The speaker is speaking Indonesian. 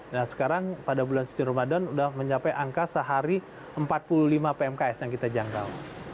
nah sekarang pada bulan suci ramadan sudah mencapai angka sehari empat puluh lima pmks yang kita jangkau